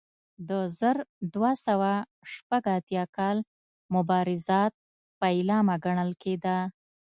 د زر دوه سوه شپږ اتیا کال مبارزات پیلامه ګڼل کېده.